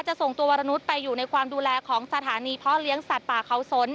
ส่งตัววรนุษย์ไปอยู่ในความดูแลของสถานีพ่อเลี้ยงสัตว์ป่าเขาสน